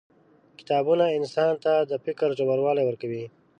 • کتابونه انسان ته د فکر ژوروالی ورکوي.